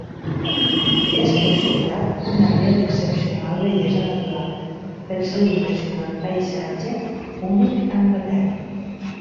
És considerat una àrea d'excepcional bellesa natural, pel seu impressionant paisatge, únic a Anglaterra.